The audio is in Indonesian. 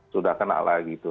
sudah kena lagi itu